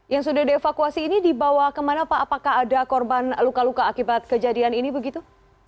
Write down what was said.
yang sudah dievakuasi ini dibawa kemana pak apakah ada korban luka luka akibat kejadian ini begitu